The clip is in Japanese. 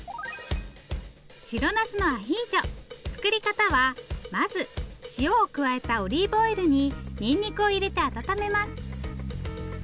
白なすのアヒージョ作り方はまず塩を加えたオリーブオイルにニンニクを入れて温めます。